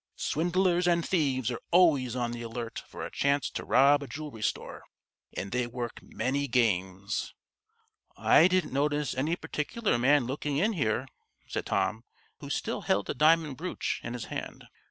Swindlers and thieves are always on the alert for a chance to rob a jewelry store, and they work many games." "I didn't notice any particular man looking in here," said Tom, who still held the diamond brooch in his hand.